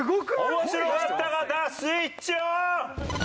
面白かった方スイッチオン！